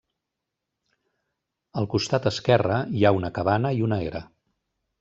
Al costat esquerre hi ha una cabana i una era.